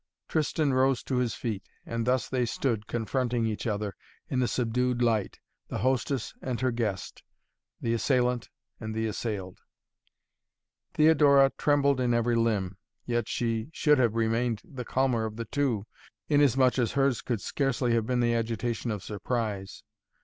Tristan rose to his feet, and thus they stood, confronting each other in the subdued light the hostess and her guest the assailant and the assailed. Theodora trembled in every limb, yet she should have remained the calmer of the two, inasmuch as hers could scarcely have been the agitation of surprise.